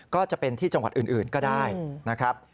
ก็จะเป็นที่จังหวัดอื่นก็ได้นะครับ